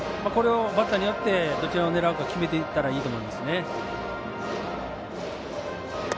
これをバッターによってどっちを狙うか決めていったらいいと思います。